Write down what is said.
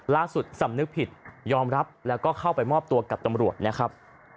สำนึกผิดยอมรับแล้วก็เข้าไปมอบตัวกับตำรวจนะครับ